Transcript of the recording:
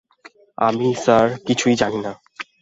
আমি স্যার কিছুই জানি না।